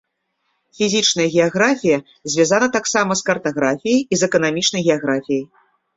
Фізічная геаграфія звязана таксама з картаграфіяй і з эканамічнай геаграфіяй.